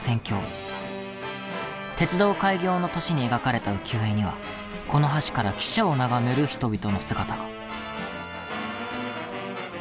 鉄道開業の年に描かれた浮世絵にはこの橋から汽車を眺める人々の姿が。